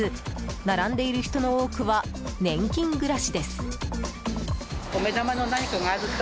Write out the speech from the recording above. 並んでいる人の多くは年金暮らしです。